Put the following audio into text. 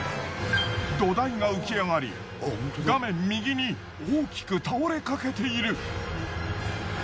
土台が浮き上がり画面右に大きく倒れかけている。